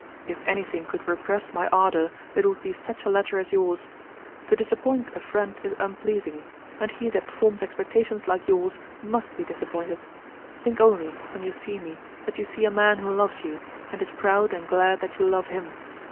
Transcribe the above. If any thing could repress my ardour, it would be such a letter as yours. To disappoint a friend is unpleasing; and he that forms expectations like yours, must be disappointed. Think only when you see me, that you see a man who loves you, and is proud and glad that you love him.